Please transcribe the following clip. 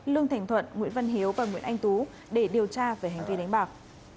lương thành thuận nguyễn văn hiếu và nguyễn anh tú để điều tra về hành vi đánh bạc